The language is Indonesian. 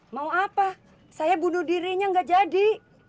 mau apa saya bunuh dirinya nggak jadi